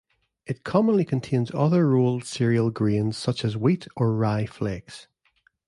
It commonly contains other rolled cereal grains such as wheat or rye flakes.